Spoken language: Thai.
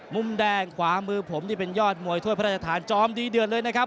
มุมแดงขวามือผมนี่เป็นยอดมวยถ้วยพระราชทานจอมดีเดือดเลยนะครับ